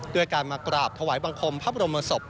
ด้วยการมากราบถวายบังคมพระบรมศพ